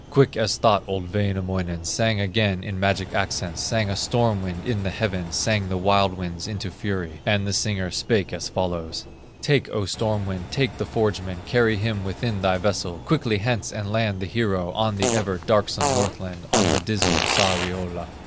Quick as thought old Wainamoinen Sang again in magic accents, Sang a storm wind in the heavens, Sang the wild winds into fury, And the singer spake as follows: "Take, O storm wind, take the forgeman, Carry him within thy vessel, Quickly hence, and land the hero On the ever darksome Northland, On the dismal Sariola."